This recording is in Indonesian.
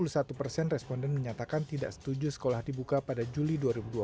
satu persen responden menyatakan tidak setuju sekolah dibuka pada juli dua ribu dua puluh